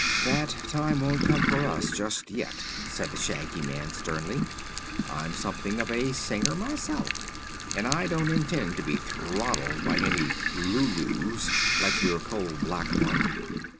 "That time won't come to us, just yet," said the Shaggy Man, sternly: "I'm something of a singer myself, and I don't intend to be throttled by any Lulus like your coal black one.